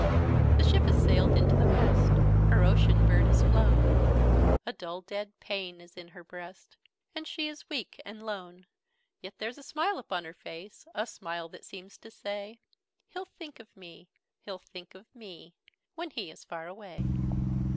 The ship has sailed into the West: Her ocean bird is flown: A dull dead pain is in her breast, And she is weak and lone: Yet there's a smile upon her face, A smile that seems to say 'He'll think of me he'll think of me When he is far away!